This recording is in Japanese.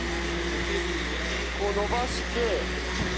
こう延ばして。